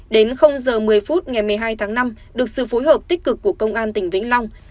đến giờ một mươi phút ngày một mươi hai tháng năm được sự phối hợp tích cực của công an tỉnh vĩnh long